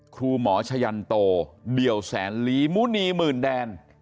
ครูหมอชะยันโตเดี่ยวแสนลีมุณีหมื่นแดน